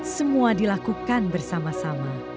semua dilakukan bersama sama